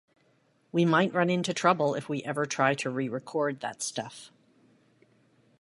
We might run into trouble if we ever try to re-record that stuff.